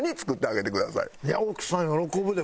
いや奥さん喜ぶで！